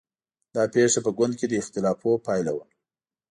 دا پېښه په ګوند کې د اختلافونو پایله وه.